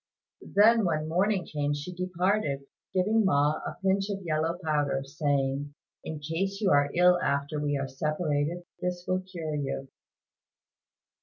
Then when morning came, she departed, giving Ma a pinch of yellow powder, saying, "In case you are ill after we are separated, this will cure you."